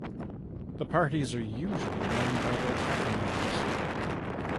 The parties are usually known by their acronyms.